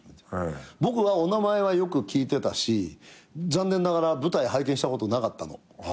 僕はお名前はよく聞いてたし残念ながら舞台拝見したことなかったの。